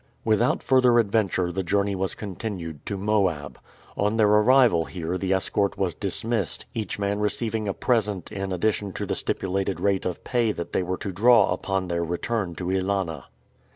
Without further adventure the journey was continued to Moab. On their arrival here the escort was dismissed, each man receiving a present in addition to the stipulated rate of pay that they were to draw upon their return to Ælana.